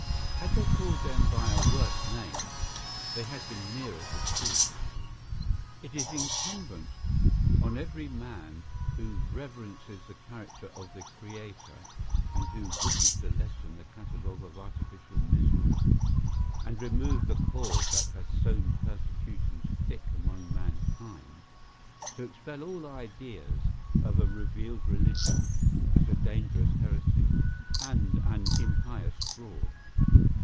] Had they called them by a worse name, they had been nearer the truth. It is incumbent on every man who reverences the character of the Creator, and who wishes to lessen the catalogue of artificial miseries, and remove the cause that has sown persecutions thick among mankind, to expel all ideas of a revealed religion as a dangerous heresy, and an impious fraud.